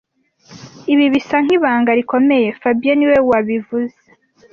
Ibi bisa nkibanga rikomeye fabien niwe wabivuze